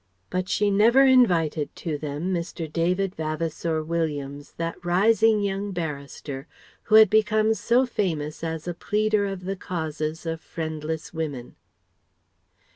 But she never invited to them Mr. David Vavasour Williams, that rising young barrister who had become so famous as a pleader of the causes of friendless women.